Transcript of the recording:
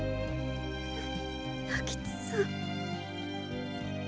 弥吉さん！